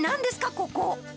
ここ。